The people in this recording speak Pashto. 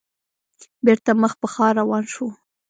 بېرته مخ په ښار روان شوو.